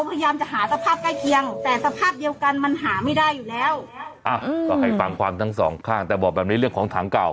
อ่ะอืมก็ให้ฟังความทั้งสองข้างแต่บอกแบบนี้เรื่องของถังเก่า